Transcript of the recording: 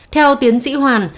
theo tiến sĩ hoàng